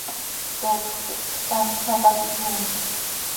Tootjöc quih txtamt ma, pac ihyoomjc.